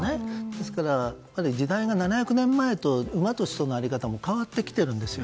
ですから、時代が７００年前と馬と人の在り方も変わってきているんですよ。